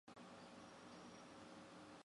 北齐军坚守河阳中潭城。